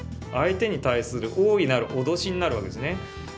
相手に対する大いなる脅しになる訳ですね。